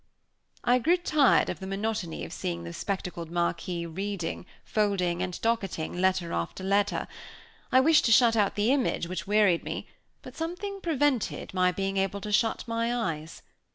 I grew tired of the monotony of seeing the spectacled Marquis reading, folding, and docketing, letter after letter. I wished to shut out the image which wearied me, but something prevented my being able to shut my eyes.